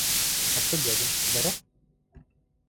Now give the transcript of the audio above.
А что дядя? здоров?